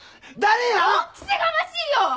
恩着せがましいよ！